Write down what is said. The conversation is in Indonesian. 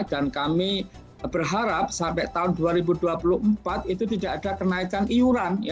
kami berharap sampai tahun dua ribu dua puluh empat itu tidak ada kenaikan iuran